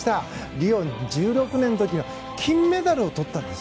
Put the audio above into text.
リオの２０１６年の時は金メダルをとったんです。